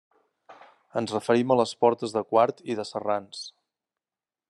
Ens referim a les portes de Quart i de Serrans.